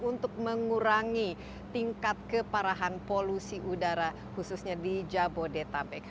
untuk mengurangi tingkat keparahan polusi udara khususnya di jabodetabek